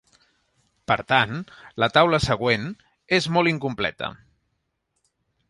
Per tant, la taula següent és molt incompleta.